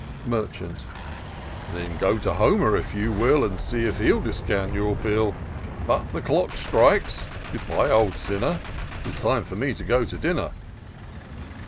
Merchant. " Then go to Homer, if you will, And see if he'll discount your bill. But the clock strikes — Good bye, old sinner ! 'Tis time for me to go to dinner."